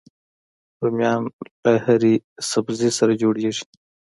رومیان له هرې سبزي سره جوړيږي